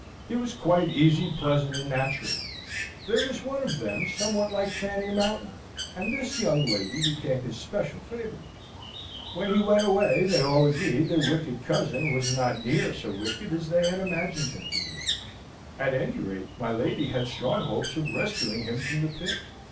He was quite easy, pleasant, and natural. There was one of them somewhat like Fanny Mountain, and this young lady became his special favourite. When he went away, they all agreed their wicked cousin was not near so wicked as they had imagined him to be: at any rate, my lady had strong hopes of rescuing him from the pit.